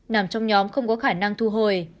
nằm trong nhóm không có khả năng thu hồi